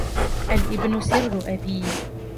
الإبن سر أبيه